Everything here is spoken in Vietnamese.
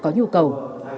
có nhu cầu